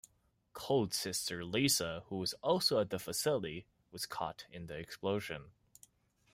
Cold's sister Lisa, who was also at the facility was caught in the explosion.